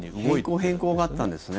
変更、変更があったんですね。